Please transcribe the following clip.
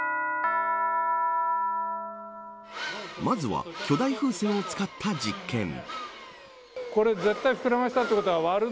まずは巨大風船を使った実験。